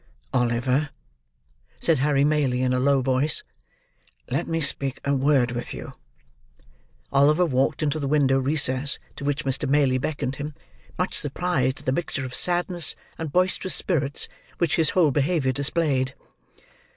"Oliver," said Harry Maylie, in a low voice, "let me speak a word with you." Oliver walked into the window recess to which Mr. Maylie beckoned him; much surprised at the mixture of sadness and boisterous spirits, which his whole behaviour displayed.